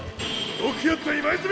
よくやった今泉！